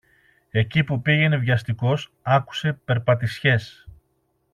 Εκεί που πήγαινε βιαστικός, άκουσε περπατησιές.